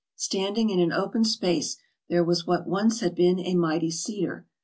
Standing in an open space there was what once had been a mighty cedar.